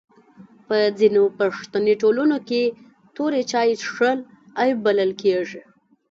په ځینو پښتني ټولنو کي توري چای چیښل عیب بلل کیږي.